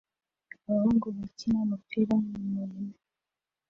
Abahungu bakina umupira mumurima